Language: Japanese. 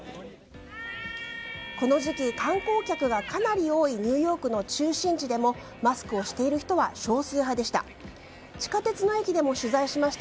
この時期、観光客がかなり多いニューヨークの中心地でもマスクをしている人は少数派でした。